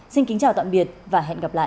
xin kính chào tạm biệt và hẹn gặp lại